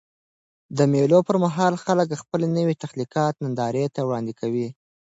د مېلو پر مهال خلک خپل نوي تخلیقات نندارې ته وړاندي کوي.